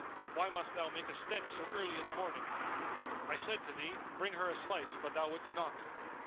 Why must thou make a stench so early in the morning? I said to thee, 'Bring her a slice,' but thou wouldst not."